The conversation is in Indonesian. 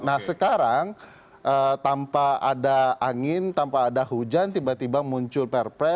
nah sekarang tanpa ada angin tanpa ada hujan tiba tiba muncul perpres